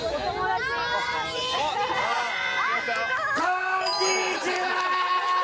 こんにちは！